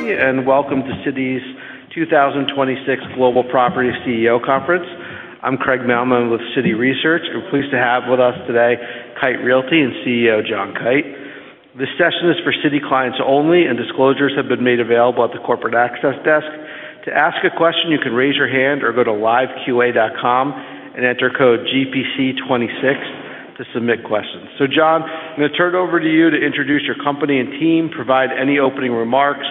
Welcome to Citi's 2026 Global Property CEO Conference. I'm Craig Mailman with Citi Research. We're pleased to have with us today Kite Realty Group and CEO John Kite. This session is for Citi clients only, and disclosures have been made available at the corporate access desk. To ask a question, you can raise your hand or go to liveqa.com and enter code GPC26 to submit questions. John, I'm gonna turn it over to you to introduce your company and team, provide any opening remarks,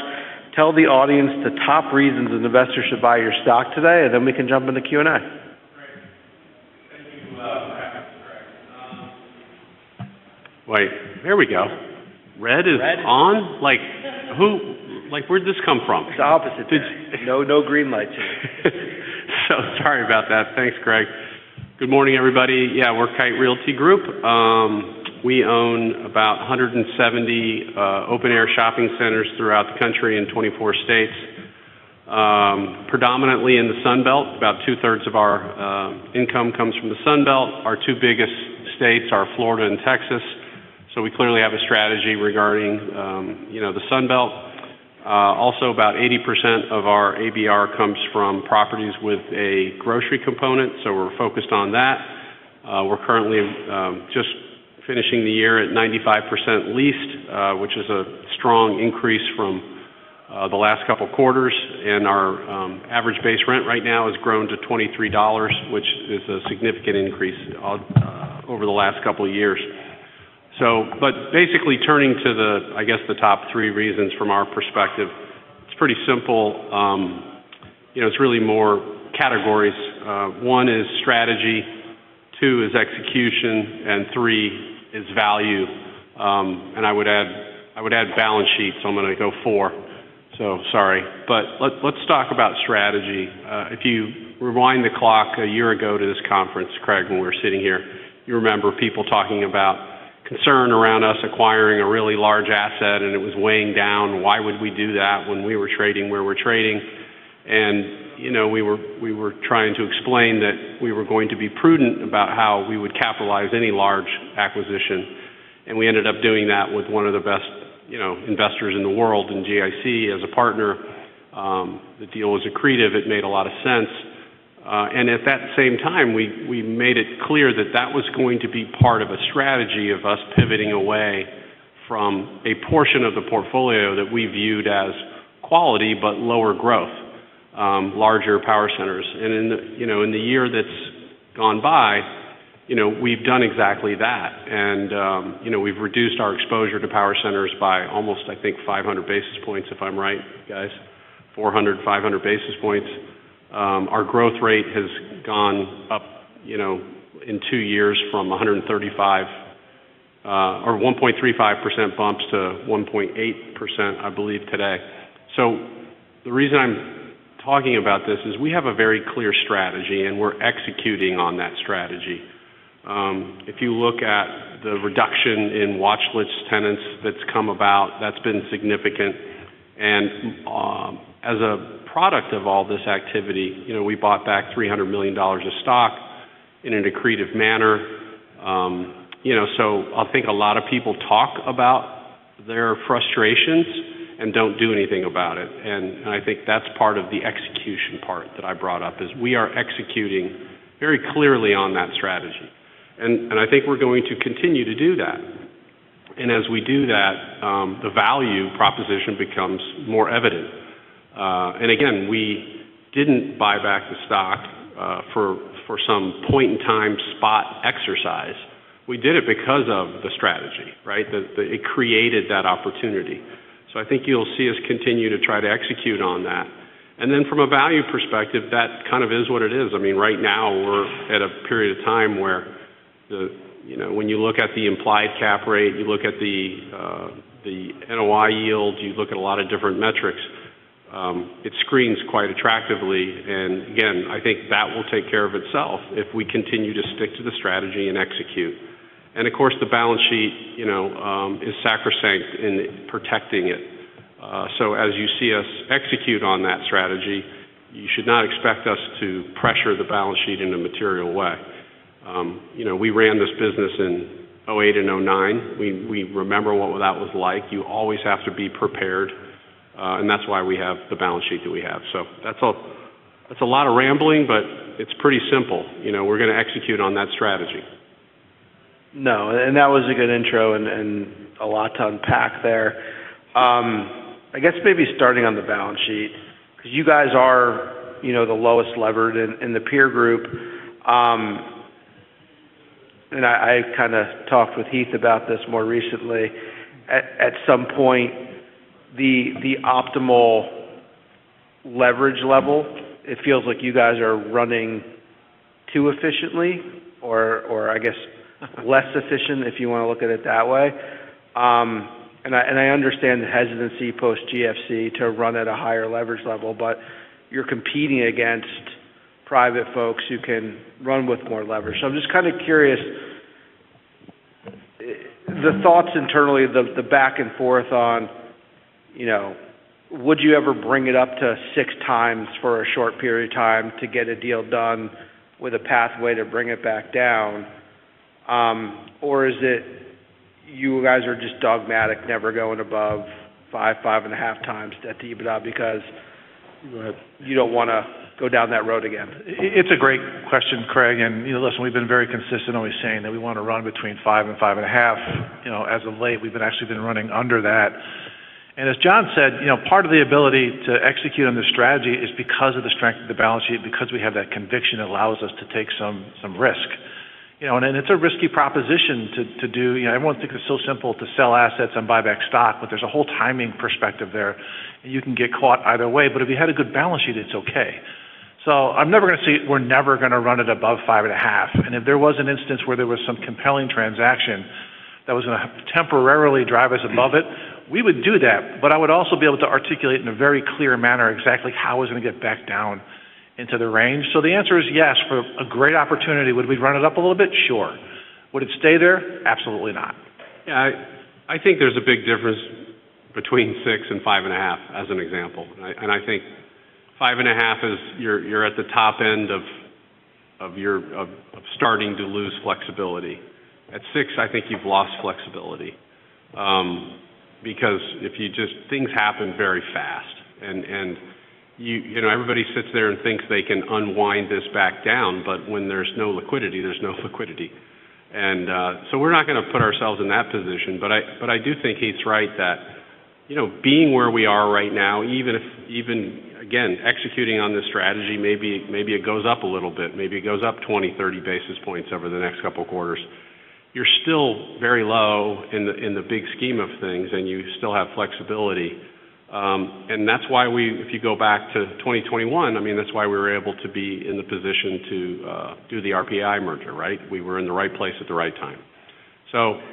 tell the audience the top reasons an investor should buy your stock today, and then we can jump into Q&A. Great. Thank you. Wait, there we go. red is on. Like, where'd this come from? It's the opposite, man. Did- No, no green lights here. Sorry about that. Thanks, Craig. Good morning, everybody. We're Kite Realty Group. We own about 170 open-air shopping centers throughout the country in 24 states, predominantly in the Sun Belt. About 2/3 of our income comes from the Sun Belt. Our TWO biggest states are Florida and Texas, we clearly have a strategy regarding, you know, the Sun Belt. Also about 80% of our ABR comes from properties with a grocery component, we're focused on that. We're currently just finishing the year at 95% leased, which is a strong increase from the last couple quarters. Our average base rent right now has grown to $23, which is a significant increase over the last couple years. Basically turning to the, I guess, the top three reasons from our perspective, it's pretty simple. You know, it's really more categories. One is strategy, two is execution, and three is value. I would add balance sheet, so I'm gonna go four. Sorry. Let's talk about strategy. If you rewind the clock a year ago to this conference, Craig, when we were sitting here, you remember people talking about concern around us acquiring a really large asset and it was weighing down. Why would we do that when we were trading where we're trading? You know, we were trying to explain that we were going to be prudent about how we would capitalize any large acquisition, and we ended up doing that with one of the best, you know, investors in the world in GIC as a partner. The deal was accretive. It made a lot of sense. At that same time, we made it clear that that was going to be part of a strategy of us pivoting away from a portion of the portfolio that we viewed as quality but lower growth, larger power centers. In the, you know, in the year that's gone by, you know, we've done exactly that. You know, we've reduced our exposure to power centers by almost, I think, 500 basis points, if I'm right, guys. 400, 500 basis points. Our growth rate has gone up, you know, in two years from 135, or 1.35% bumps to 1.8%, I believe today. The reason I'm talking about this is we have a very clear strategy, and we're executing on that strategy. If you look at the reduction in watchlist tenants that's come about, that's been significant. As a product of all this activity, you know, we bought back $300 million of stock in an accretive manner. You know, I think a lot of people talk about their frustrations and don't do anything about it. I think that's part of the execution part that I brought up, is we are executing very clearly on that strategy. I think we're going to continue to do that. As we do that, the value proposition becomes more evident. Again, we didn't buy back the stock for some point in time spot exercise. We did it because of the strategy, right? It created that opportunity. I think you'll see us continue to try to execute on that. From a value perspective, that kind of is what it is. I mean, right now we're at a period of time where, you know, when you look at the implied cap rate, you look at the NOI yields, you look at a lot of different metrics, it screens quite attractively. Again, I think that will take care of itself if we continue to stick to the strategy and execute. Of course, the balance sheet, you know, is sacrosanct in protecting it. As you see us execute on that strategy, you should not expect us to pressure the balance sheet in a material way. You know, we ran this business in 2008 and 2009. We remember what that was like. You always have to be prepared, and that's why we have the balance sheet that we have. That's a lot of rambling, but it's pretty simple. You know, we're gonna execute on that strategy. No, that was a good intro and a lot to unpack there. I guess maybe starting on the balance sheet, 'cause you guys are, you know, the lowest levered in the peer group. I kinda talked with Heath about this more recently. At some point, the optimal leverage level, it feels like you guys are running too efficiently or I guess less efficient, if you wanna look at it that way. I understand the hesitancy post GFC to run at a higher leverage level, but you're competing against private folks who can run with more leverage. I'm just kinda curious, the back and forth on, you know, would you ever bring it up to 6x for a short period of time to get a deal done with a pathway to bring it back down, or is it you guys are just dogmatic, never going above 5.5x to EBITDA? Go ahead. You don't wanna go down that road again. It's a great question, Craig. You know, listen, we've been very consistent always saying that we want to run between 5x and 5.5x. You know, as of late, we've been actually been running under that. As John said, you know, part of the ability to execute on this strategy is because of the strength of the balance sheet, because we have that conviction that allows us to take some risk. You know, it's a risky proposition to do... You know, everyone thinks it's so simple to sell assets and buy back stock, but there's a whole timing perspective there. You can get caught either way. If you had a good balance sheet, it's okay. I'm never gonna say we're never gonna run it above 5.5x. If there was an instance where there was some compelling transaction that was gonna temporarily drive us above it, we would do that. I would also be able to articulate in a very clear manner exactly how it was going to get back down into the range. The answer is yes. For a great opportunity, would we run it up a little bit? Sure. Would it stay there? Absolutely not. Yeah. I think there's a big difference between 6x and 5.5x as an example. I think 5.5x is you're at the top end of your of starting to lose flexibility. At 6x, I think you've lost flexibility, because if you just things happen very fast and you know, everybody sits there and thinks they can unwind this back down. When there's no liquidity, there's no liquidity. So we're not gonna put ourselves in that position. I do think he's right that, you know, being where we are right now, even if even again, executing on this strategy, maybe it goes up a little bit, maybe it goes up 20, 30 basis points over the next couple of quarters. You're still very low in the, in the big scheme of things, and you still have flexibility. That's why if you go back to 2021, I mean, that's why we were able to be in the position to do the RPAI merger, right? We were in the right place at the right time.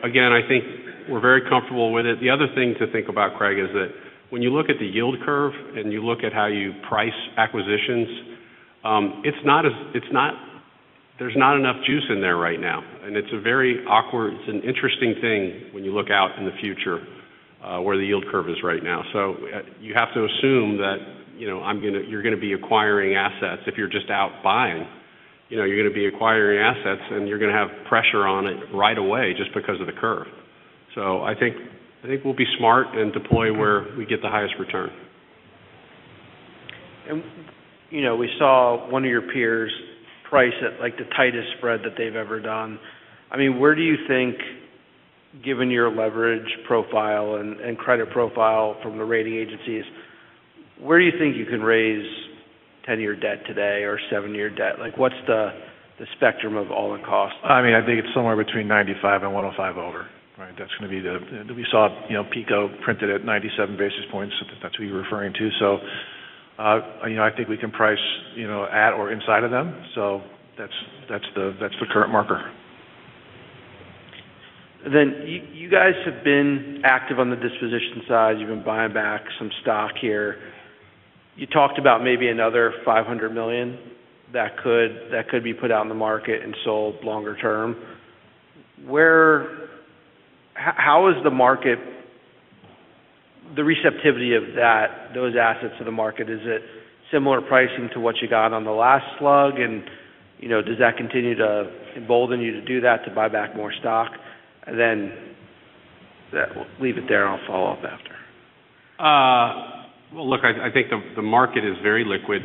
Again, I think we're very comfortable with it. The other thing to think about, Craig, is that when you look at the yield curve and you look at how you price acquisitions, it's not enough juice in there right now. It's an interesting thing when you look out in the future, where the yield curve is right now. You have to assume that, you know, you're gonna be acquiring assets. If you're just out buying, you know, you're gonna be acquiring assets, and you're gonna have pressure on it right away just because of the curve. I think we'll be smart and deploy where we get the highest return. You know, we saw one of your peers price at like the tightest spread that they've ever done. I mean, where do you think, given your leverage profile and credit profile from the rating agencies, where do you think you can raise 10-year debt today or seven-year debt? Like, what's the spectrum of all-in costs? I mean, I think it's somewhere between 95 and 105 over, right? That's gonna be we saw, you know, PECO printed at 97 basis points. That's what you're referring to. You know, I think we can price, you know, at or inside of them. That's, that's the, that's the current marker. You guys have been active on the disposition side. You've been buying back some stock here. You talked about maybe another $500 million that could be put out in the market and sold longer term. How is the market, the receptivity of that, those assets to the market? Is it similar pricing to what you got on the last slug? You know, does that continue to embolden you to do that, to buy back more stock? Leave it there, and I'll follow up after. Well, look, I think the market is very liquid.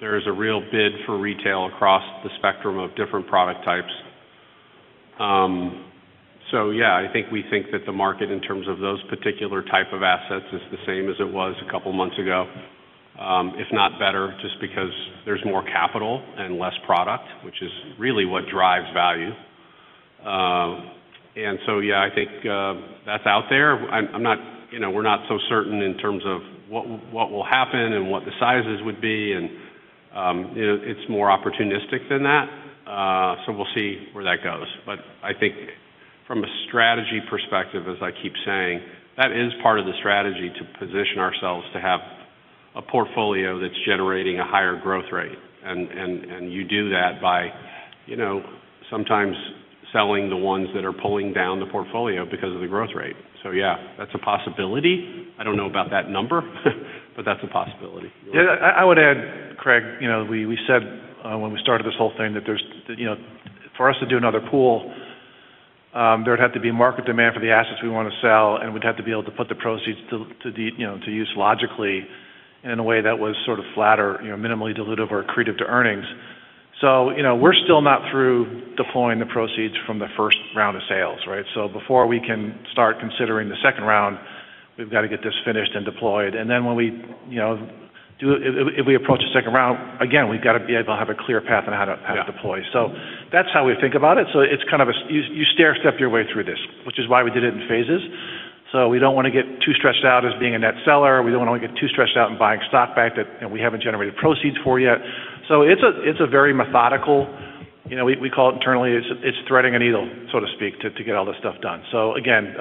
There is a real bid for retail across the spectrum of different product types. Yeah, I think we think that the market, in terms of those particular type of assets, is the same as it was a couple months ago, if not better, just because there's more capital and less product, which is really what drives value. Yeah, I think that's out there. You know, we're not so certain in terms of what will happen and what the sizes would be, and, you know, it's more opportunistic than that. We'll see where that goes. I think from a strategy perspective, as I keep saying, that is part of the strategy to position ourselves to have a portfolio that's generating a higher growth rate. You do that by, you know, sometimes selling the ones that are pulling down the portfolio because of the growth rate. Yeah, that's a possibility. I don't know about that number, but that's a possibility. Yeah. I would add, Craig, you know, we said when we started this whole thing that there's you know, for us to do another pool, there would have to be market demand for the assets we want to sell, and we'd have to be able to put the proceeds to use logically in a way that was sort of flat or, you know, minimally dilutive or accretive to earnings. you know, we're still not through deploying the proceeds from the first round of sales, right? Before we can start considering the second round, we've got to get this finished and deployed. when we, you know, if we approach the second round, again, we've got to be able to have a clear path on how to deploy. Yeah. That's how we think about it. It's kind of a you stairstep your way through this, which is why we did it in phases. We don't want to get too stressed out as being a net seller. We don't want to get too stressed out in buying stock back that, you know, we haven't generated proceeds for yet. It's a, it's a very methodical. You know, we call it internally, it's threading a needle, so to speak, to get all this stuff done. Again,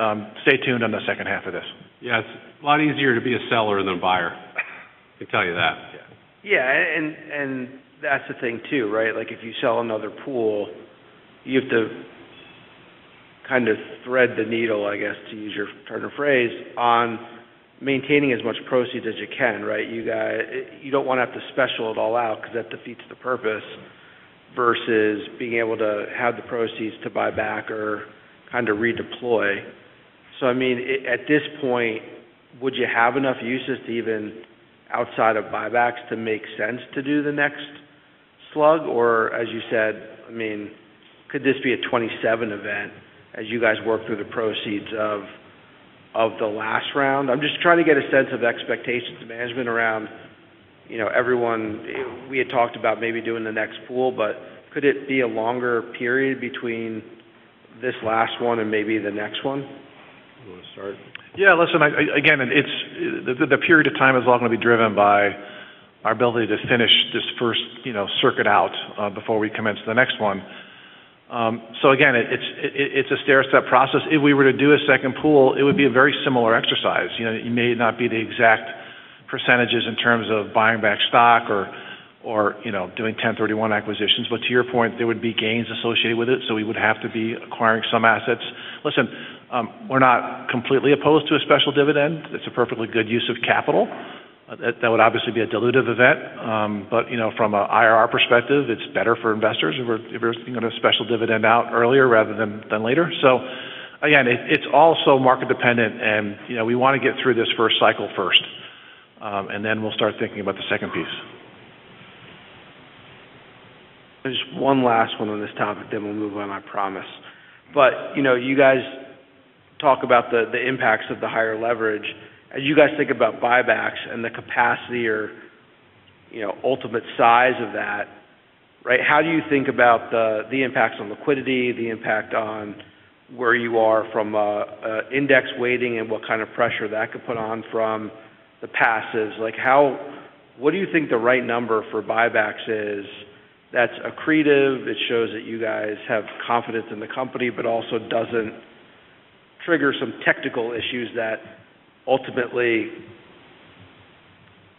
stay tuned on the second half of this. Yeah. It's a lot easier to be a seller than a buyer, I can tell you that. Yeah. That's the thing too, right? Like, if you sell another pool, you have to kind of thread the needle, I guess, to use your turn of phrase, on maintaining as much proceeds as you can, right? You don't wanna have to special it all out because that defeats the purpose versus being able to have the proceeds to buy back or kind of redeploy. I mean, at this point, would you have enough uses to even outside of buybacks to make sense to do the next slug, or as you said, I mean, could this be a 2027 event as you guys work through the proceeds of the last round? I'm just trying to get a sense of expectations of management around, you know, everyone... We had talked about maybe doing the next pool, but could it be a longer period between this last one and maybe the next one? You wanna start? Listen, again, the period of time is all gonna be driven by our ability to finish this first, you know, circuit out before we commence the next one. Again, it's a stairstep process. If we were to do a second pool, it would be a very similar exercise. You know, it may not be the exact percentages in terms of buying back stock or, you know, doing 1031 acquisitions. To your point, there would be gains associated with it, so we would have to be acquiring some assets. Listen, we're not completely opposed to a special dividend. It's a perfectly good use of capital. That would obviously be a dilutive event. You know, from a IRR perspective, it's better for investors if we're thinking of a special dividend out earlier rather than later. Again, it's also market dependent and, you know, we wanna get through this first cycle first. We'll start thinking about the second piece. Just one last one on this topic, then we'll move on, I promise. You know, you guys talk about the impacts of the higher leverage. As you guys think about buybacks and the capacity or, you know, ultimate size of that, right, how do you think about the impacts on liquidity, the impact on where you are from a index weighting and what kind of pressure that could put on from the passes? What do you think the right number for buybacks is that's accretive, it shows that you guys have confidence in the company, but also doesn't trigger some technical issues that ultimately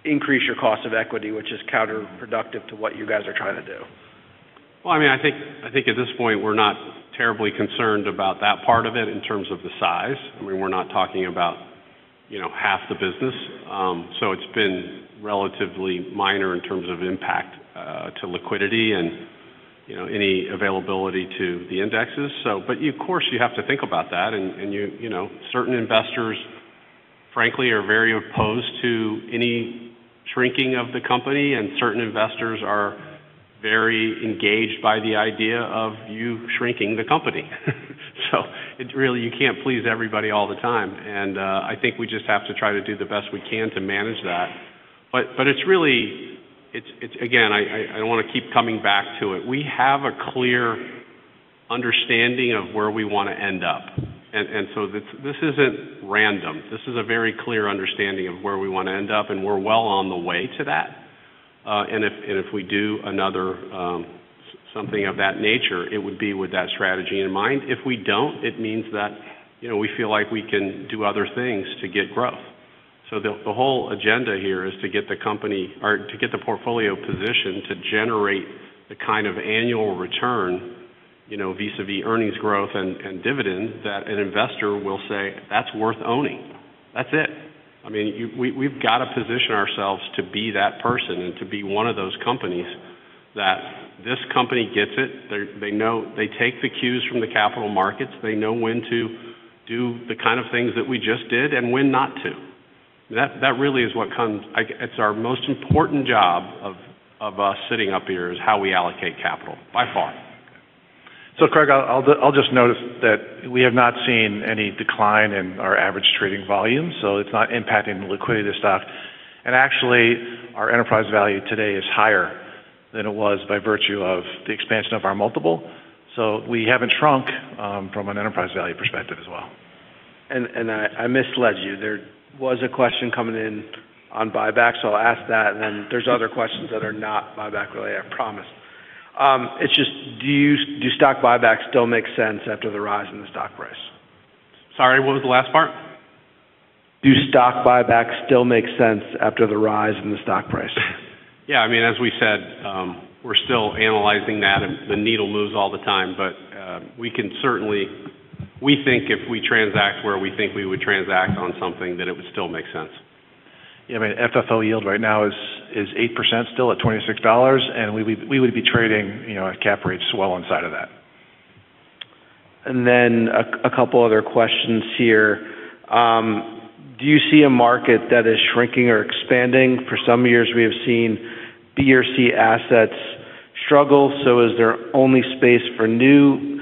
increase your cost of equity, which is counterproductive to what you guys are trying to do. Well, I mean, I think, I think at this point, we're not terribly concerned about that part of it in terms of the size. I mean, we're not talking about, you know, half the business. So it's been relatively minor in terms of impact to liquidity and, you know, any availability to the indexes. But of course, you have to think about that. You know, certain investors, frankly, are very opposed to any shrinking of the company, and certain investors are very engaged by the idea of you shrinking the company. It's really you can't please everybody all the time. I think we just have to try to do the best we can to manage that. It's really. Again, I don't wanna keep coming back to it. We have a clear understanding of where we wanna end up. So this isn't random. This is a very clear understanding of where we wanna end up, and we're well on the way to that. And if we do another something of that nature, it would be with that strategy in mind. If we don't, it means that, you know, we feel like we can do other things to get growth. The whole agenda here is to get the company or to get the portfolio position to generate the kind of annual return, you know, vis-à-vis earnings growth and dividend that an investor will say, "That's worth owning." That's it. I mean, we've got to position ourselves to be that person and to be one of those companies that this company gets it. They take the cues from the capital markets. They know when to do the kind of things that we just did and when not to. That really is what comes. It's our most important job of us sitting up here, is how we allocate capital, by far. Craig, I'll just note that we have not seen any decline in our average trading volume, so it's not impacting the liquidity of the stock. Actually, our enterprise value today is higher than it was by virtue of the expansion of our multiple. We haven't shrunk from an enterprise value perspective as well. I misled you. There was a question coming in on buyback. I'll ask that, and then there's other questions that are not buyback related, I promise. It's just do stock buybacks still make sense after the rise in the stock price? Sorry, what was the last part? Do stock buybacks still make sense after the rise in the stock price? I mean, as we said, we're still analyzing that. The needle moves all the time. We think if we transact where we think we would transact on something, then it would still make sense. Yeah. I mean, FFO yield right now is 8% still at $26. We would be trading, you know, at cap rates well inside of that. A couple other questions here. Do you see a market that is shrinking or expanding? For some years, we have seen B or C assets struggle, is there only space for new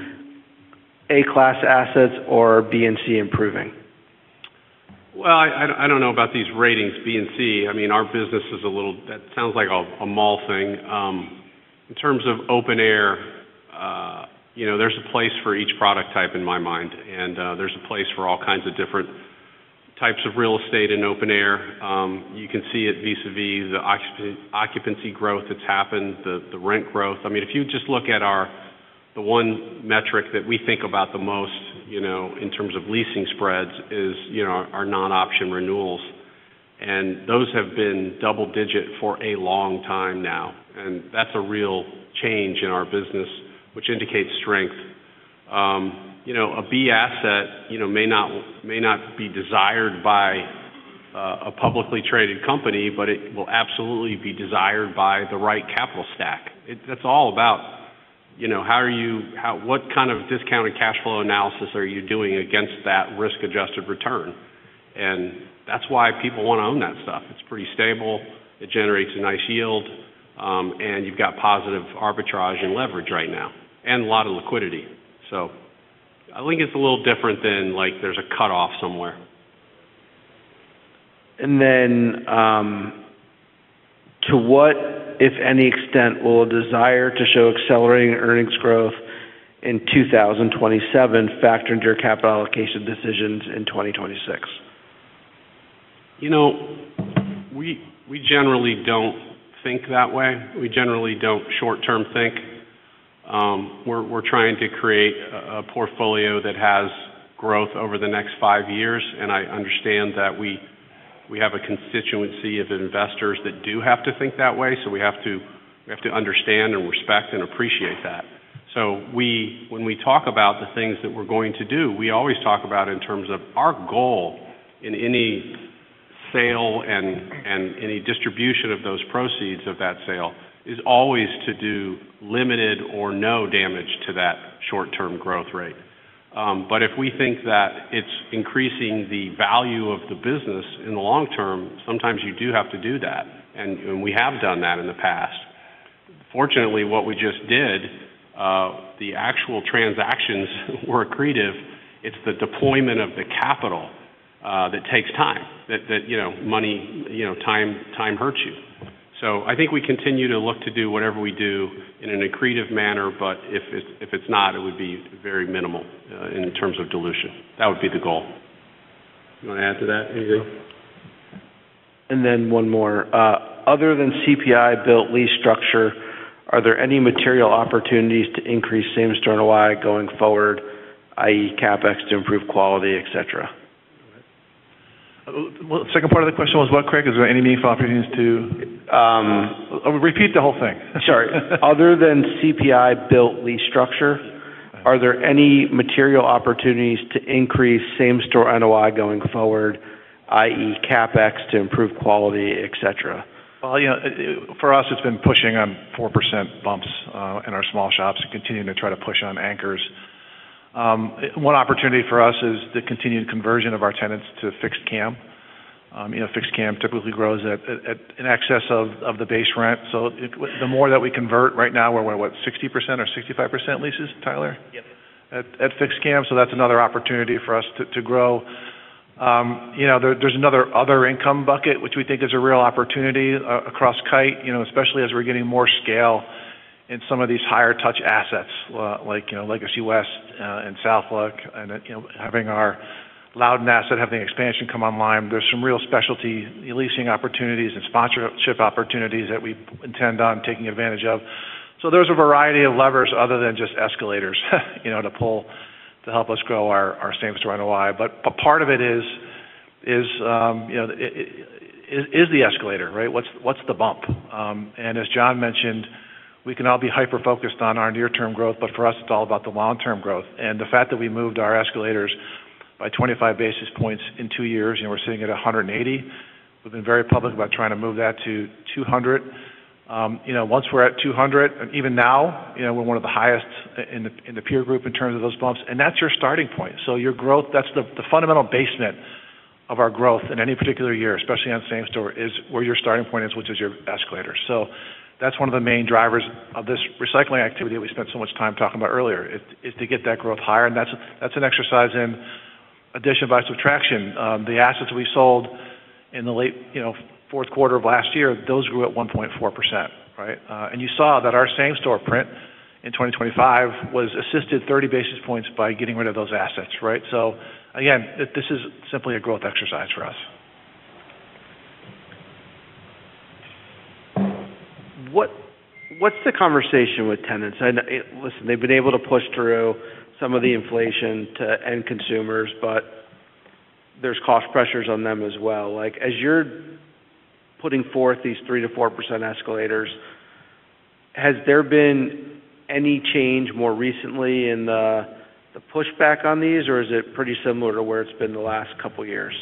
A class assets or B and C improving? Well, I don't know about these ratings, B and C. I mean, our business is a little that sounds like a mall thing. In terms of open air, you know, there's a place for each product type in my mind, and there's a place for all kinds of different types of real estate and open air. You can see it vis-à-vis the occupancy growth that's happened, the rent growth. I mean, if you just look at our the one metric that we think about the most, you know, in terms of leasing spreads is, you know, our non-option renewals. Those have been double-digit for a long time now, and that's a real change in our business, which indicates strength. You know, a B asset, you know, may not be desired by a publicly traded company, but it will absolutely be desired by the right capital stack. That's all about, you know, what kind of discounted cash flow analysis are you doing against that risk-adjusted return? That's why people wanna own that stuff. It's pretty stable. It generates a nice yield, and you've got positive arbitrage and leverage right now, and a lot of liquidity. I think it's a little different than, like, there's a cutoff somewhere. To what, if any extent, will a desire to show accelerating earnings growth in 2027 factor into your capital allocation decisions in 2026? You know, we generally don't think that way. We generally don't short-term think. We're trying to create a portfolio that has growth over the next five years, and I understand that we have a constituency of investors that do have to think that way, so we have to understand and respect and appreciate that. When we talk about the things that we're going to do, we always talk about in terms of our goal in any sale and any distribution of those proceeds of that sale is always to do limited or no damage to that short-term growth rate. If we think that it's increasing the value of the business in the long term, sometimes you do have to do that, and we have done that in the past. Fortunately, what we just did, the actual transactions were accretive. It's the deployment of the capital, that takes time. That, you know, money, you know, time hurts you. I think we continue to look to do whatever we do in an accretive manner, but if it's, if it's not, it would be very minimal, in terms of dilution. That would be the goal. You wanna add to that, Andrew? One more. Other than CPI built lease structure, are there any material opportunities to increase same-store NOI going forward, i.e., CapEx to improve quality, et cetera? Well, second part of the question was what, Craig? Is there any meaningful opportunities? Um- Repeat the whole thing. Sorry. Other than CPI built lease structure, are there any material opportunities to increase same-store NOI going forward, i.e., CapEx to improve quality, et cetera? You know, for us, it's been pushing on 4% bumps in our small shops and continuing to try to push on anchors. One opportunity for us is the continued conversion of our tenants to fixed CAM. You know, fixed CAM typically grows in excess of the base rent. The more that we convert right now, we're what, 60% or 65% leases, Tyler? Yep. At fixed CAM. That's another opportunity for us to grow. You know, there's another other income bucket which we think is a real opportunity across Kite, you know, especially as we're getting more scale in some of these higher touch assets, like, you know, Legacy West, and Southwick, and, you know, having our One Loudoun asset, having the expansion come online. There's some real specialty leasing opportunities and sponsorship opportunities that we intend on taking advantage of. There's a variety of levers other than just escalators, you know, to pull to help us grow our same-store NOI. A part of it is, you know, is the escalator, right? What's the bump? As John mentioned, we can all be hyper-focused on our near-term growth, for us, it's all about the long-term growth. The fact that we moved our escalators by 25 basis points in two years, you know, we're sitting at 180. We've been very public about trying to move that to 200. You know, once we're at 200, even now, you know, we're one of the highest in the, in the peer group in terms of those bumps, and that's your starting point. Your growth, that's the fundamental basement of our growth in any particular year, especially on same-store, is where your starting point is, which is your escalator. That's one of the main drivers of this recycling activity that we spent so much time talking about earlier, is to get that growth higher, and that's an exercise in addition by subtraction. The assets we sold in the late, you know, fourth quarter of last year, those grew at 1.4%, right? You saw that our same-store print in 2025 was assisted 30 basis points by getting rid of those assets, right? Again, this is simply a growth exercise for us. What's the conversation with tenants? Listen, they've been able to push through some of the inflation to end consumers. There's cost pressures on them as well. Like, as you're putting forth these 3%-4% escalators, has there been any change more recently in the pushback on these, or is it pretty similar to where it's been the last couple of years?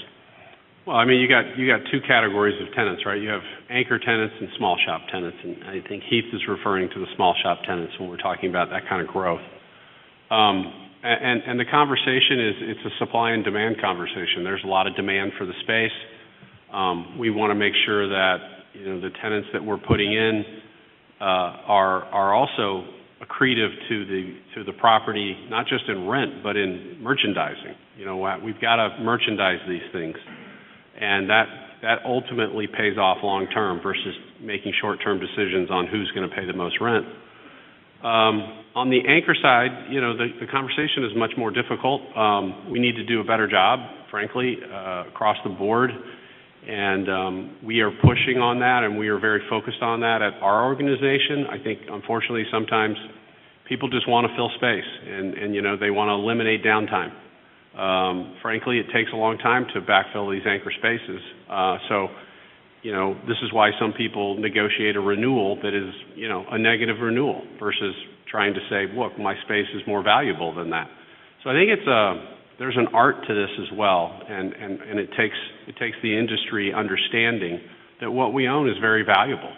Well, I mean, you got two categories of tenants, right? You have anchor tenants and small shop tenants, and I think Heath is referring to the small shop tenants when we're talking about that kind of growth. The conversation is it's a supply and demand conversation. There's a lot of demand for the space. We wanna make sure that, you know, the tenants that we're putting in, are also accretive to the property, not just in rent, but in merchandising. You know, we've gotta merchandise these things, and that ultimately pays off long term versus making short-term decisions on who's gonna pay the most rent. On the anchor side, you know, the conversation is much more difficult. We need to do a better job, frankly, across the board, and we are pushing on that, and we are very focused on that at our organization. I think, unfortunately, sometimes people just want to fill space and, you know, they want to eliminate downtime. Frankly, it takes a long time to backfill these anchor spaces. You know, this is why some people negotiate a renewal that is, you know, a negative renewal versus trying to say, "Look, my space is more valuable than that." I think there's an art to this as well, and it takes the industry understanding that what we own is very valuable,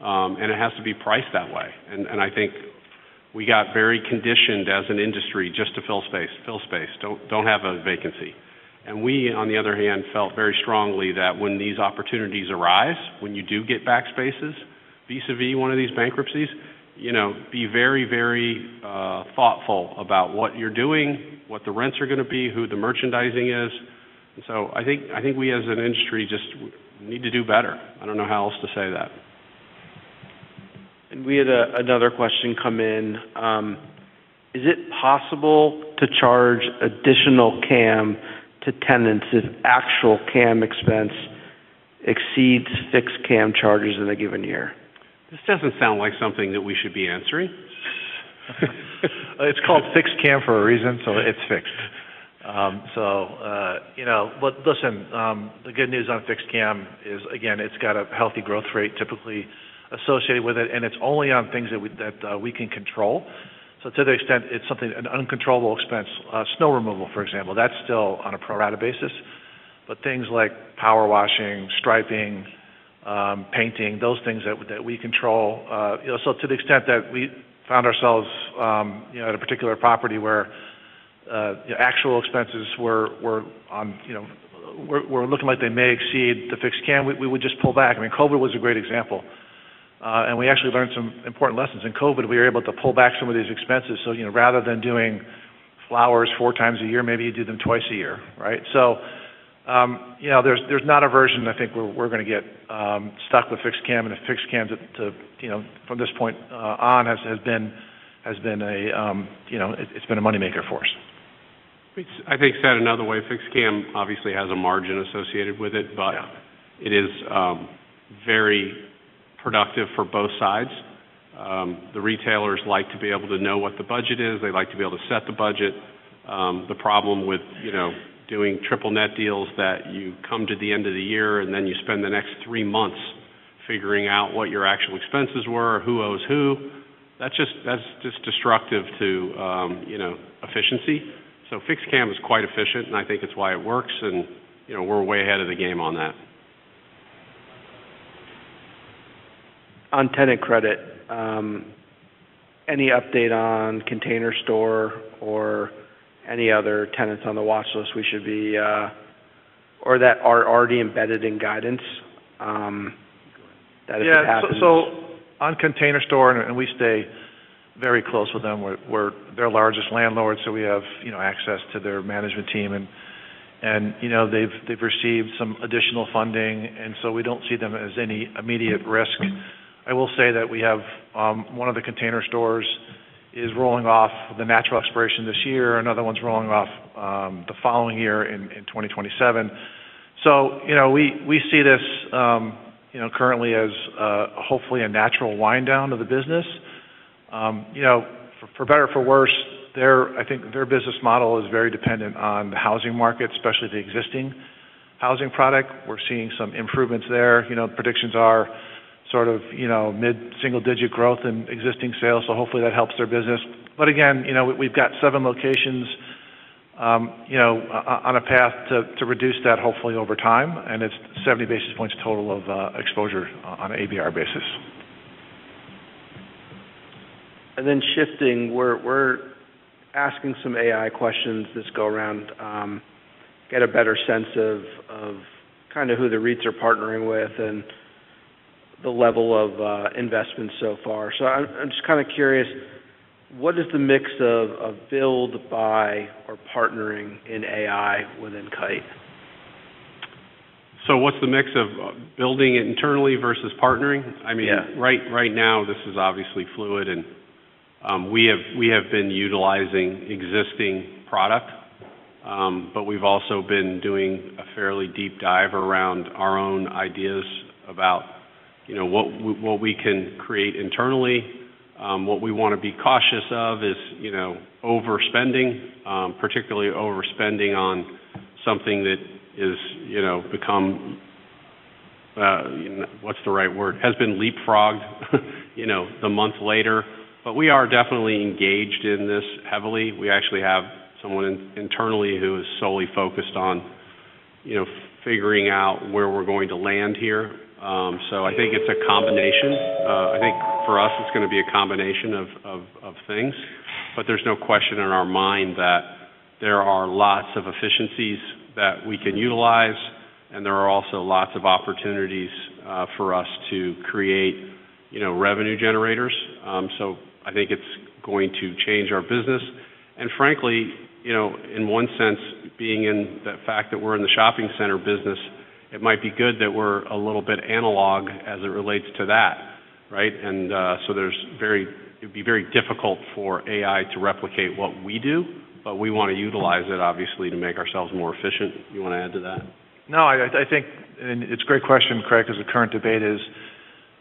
and it has to be priced that way. I think we got very conditioned as an industry just to fill space. Fill space. Don't have a vacancy. We, on the other hand, felt very strongly that when these opportunities arise, when you do get back spaces, vis-a-vis one of these bankruptcies, you know, be very, very thoughtful about what you're doing, what the rents are gonna be, who the merchandising is. I think we as an industry just need to do better. I don't know how else to say that. We had another question come in. Is it possible to charge additional CAM to tenants if actual CAM expense exceeds fixed CAM charges in a given year? This doesn't sound like something that we should be answering. It's called fixed CAM for a reason, so it's fixed. you know. Listen, the good news on fixed CAM is, again, it's got a healthy growth rate typically associated with it, and it's only on things that we can control. To the extent it's something, an uncontrollable expense, snow removal, for example, that's still on a pro rata basis. Things like power washing, striping, painting, those things that we control. you know, to the extent that we found ourselves, you know, at a particular property where actual expenses were looking like they may exceed the fixed CAM, we would just pull back. I mean, COVID was a great example. We actually learned some important lessons. In COVID, we were able to pull back some of these expenses. You know, rather than doing flowers 4x a year, maybe you do them 2x a year, right? You know, there's not a version, I think, where we're gonna get stuck with fixed CAM. If fixed CAM to, you know, from this point on has been a, you know, it's been a moneymaker for us. I think said another way, fixed CAM obviously has a margin associated with it, but it is very productive for both sides. The retailers like to be able to know what the budget is. They like to be able to set the budget. The problem with, you know, doing triple net deals that you come to the end of the year and then you spend the next three months figuring out what your actual expenses were, who owes who. That's just destructive to, you know, efficiency. Fixed CAM is quite efficient, and I think it's why it works, and, you know, we're way ahead of the game on that. On tenant credit, any update on Container Store or any other tenants on the watch list we should be or that are already embedded in guidance that hasn't happened? On The Container Store, we stay very close with them. We're their largest landlord, so we have, you know, access to their management team. You know, they've received some additional funding, we don't see them as any immediate risk. I will say that we have one of The Container Stores is rolling off the natural expiration this year. Another one's rolling off the following year in 2027. You know, we see this, you know, currently as hopefully a natural wind down of the business. You know, for better or for worse, I think their business model is very dependent on the housing market, especially the existing housing product. We're seeing some improvements there. You know, predictions are sort of, you know, mid-single-digit growth in existing sales. Hopefully that helps their business. Again, you know, we've got seven locations, you know, on a path to reduce that hopefully over time. It's 70 basis points total of exposure on an ABR basis. Shifting, we're asking some AI questions this go around, get a better sense of kind of who the REITs are partnering with and the level of investment so far. I'm just kind of curious, what is the mix of build, buy or partnering in AI within Kite? What's the mix of building it internally versus partnering? Yeah. I mean, right now this is obviously fluid, and we have been utilizing existing product, but we've also been doing a fairly deep dive around our own ideas about, you know, what we can create internally. What we wanna be cautious of is, you know, overspending, particularly overspending on something that is, you know, become, what's the right word? Has been leapfrogged, you know, the month later. We are definitely engaged in this heavily. We actually have someone internally who is solely focused on, you know, figuring out where we're going to land here. I think it's a combination. I think for us it's gonna be a combination of things. There's no question in our mind that there are lots of efficiencies that we can utilize and there are also lots of opportunities, for us to create, you know, revenue generators. I think it's going to change our business. Frankly, you know, in one sense, being in the fact that we're in the shopping center business, it might be good that we're a little bit analog as it relates to that, right? There's it'd be very difficult for AI to replicate what we do, but we wanna utilize it, obviously, to make ourselves more efficient. You wanna add to that? No, I think, and it's a great question, Craig, as the current debate is,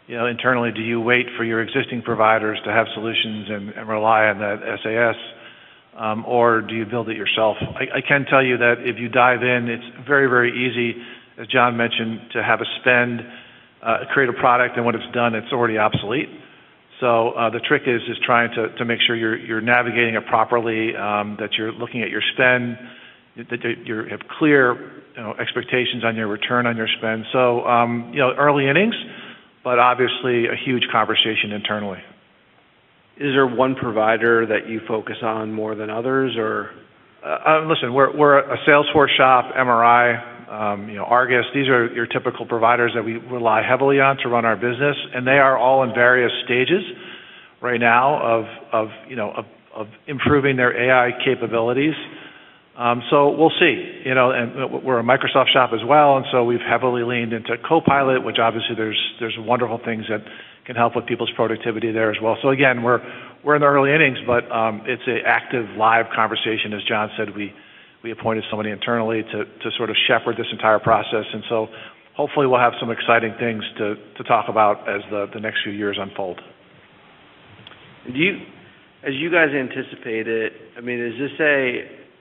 you know, internally, do you wait for your existing providers to have solutions and rely on that SaaS, or do you build it yourself? I can tell you that if you dive in, it's very, very easy, as John mentioned, to have a spend, create a product, and when it's done, it's already obsolete. The trick is trying to make sure you're navigating it properly, that you're looking at your spend, that you have clear, you know, expectations on your return on your spend. you know, early innings, but obviously a huge conversation internally. Is there one provider that you focus on more than others or... Listen, we're a Salesforce shop, MRI, you know, ARGUS. These are your typical providers that we rely heavily on to run our business, and they are all in various stages right now of, you know, of improving their AI capabilities. We'll see. You know, we're a Microsoft shop as well, we've heavily leaned into Copilot, which obviously there's wonderful things that can help with people's productivity there as well. Again, we're in the early innings, but it's a active live conversation. As John said, we appointed somebody internally to sort of shepherd this entire process. Hopefully we'll have some exciting things to talk about as the next few years unfold. As you guys anticipate it, I mean, is this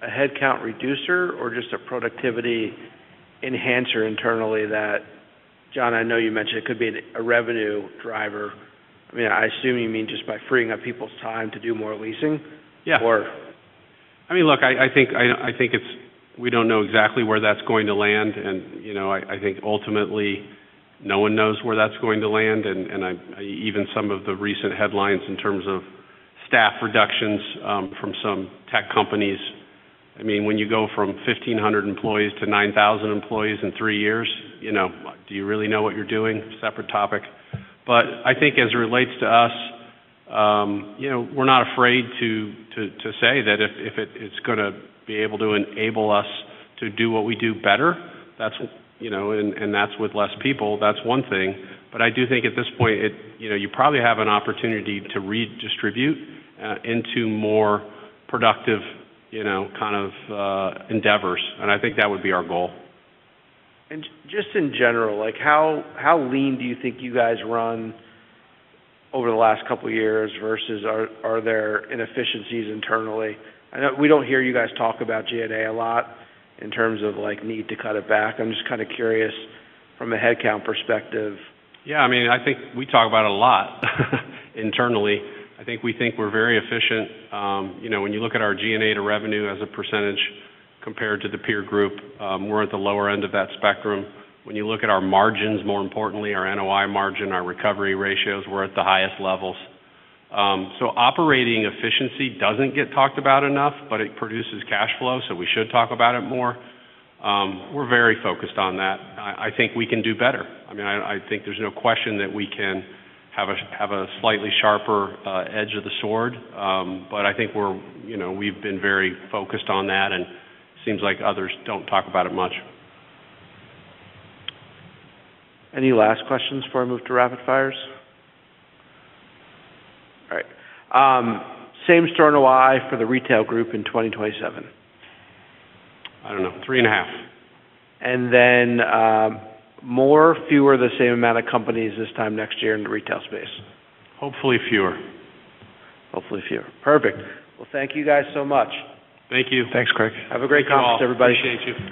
a headcount reducer or just a productivity enhancer internally? John, I know you mentioned it could be a revenue driver. I mean, I assume you mean just by freeing up people's time to do more leasing? Yeah. Or... I mean, look, I think we don't know exactly where that's going to land and, you know, I think ultimately no one knows where that's going to land. Even some of the recent headlines in terms of staff reductions from some tech companies. I mean, when you go from 1,500 employees to 9,000 employees in 3 years, you know, do you really know what you're doing? Separate topic. I think as it relates to us, you know, we're not afraid to say that if it's gonna be able to enable us to do what we do better, that's, you know, and that's with less people, that's one thing. I do think at this point it, you know, you probably have an opportunity to redistribute, into more productive, you know, kind of, endeavors, and I think that would be our goal. Just in general, like, how lean do you think you guys run over the last couple of years versus are there inefficiencies internally? I know we don't hear you guys talk about G&A a lot in terms of, like, need to cut it back. I'm just kinda curious from a headcount perspective. Yeah. I mean, I think we talk about it a lot internally. I think we think we're very efficient. You know, when you look at our G&A to revenue as a percentage compared to the peer group, we're at the lower end of that spectrum. When you look at our margins, more importantly, our NOI margin, our recovery ratios, we're at the highest levels. Operating efficiency doesn't get talked about enough, but it produces cash flow, so we should talk about it more. We're very focused on that. I think we can do better. I mean, I think there's no question that we can have a slightly sharper edge of the sword. I think we're, you know, we've been very focused on that and seems like others don't talk about it much. Any last questions before I move to rapid fires? All right. same-store NOI for the retail group in 2027. I don't know, 3.5.. More, fewer, the same amount of companies this time next year in the retail space? Hopefully fewer. Hopefully fewer. Perfect. Well, thank you guys so much. Thank you. Thanks, Craig. Have a great conference, everybody. Appreciate you.